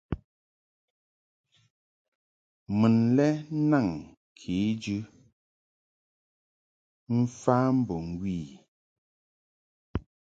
Mun lɛ naŋ kejɨ mf ambo ŋgwi i.